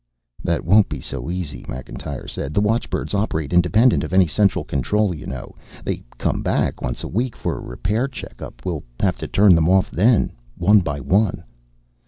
"That won't be so easy," Macintyre said. "The watchbirds operate independent of any central control, you know. They come back once a week for a repair checkup. We'll have to turn them off then, one by one."